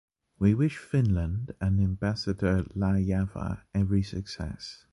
We wish Finland and ambassador Laajava every success.